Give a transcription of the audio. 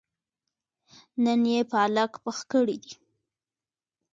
نن يې پالک پخ کړي دي